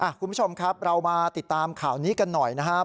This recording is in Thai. คุณผู้ชมครับเรามาติดตามข่าวนี้กันหน่อยนะครับ